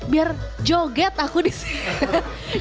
biar joget aku disini